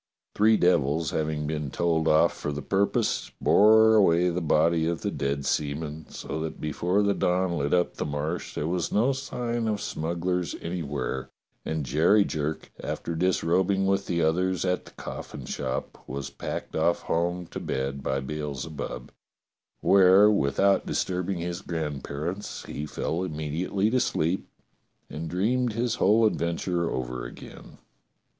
Three devils, having been told off for 216 DOCTOR SYN the purpose, bore away the body of the dead seaman, so that before the dawn lit up the Marsh there was no sign of smugglers anywhere, and Jerry Jerk, after dis robing with the others at the coffin shop, was packed off home to bed by Beelzebub, where, without disturb ing his grandparents, he fell immediately to sleep, and dreamed his whole adventure over again.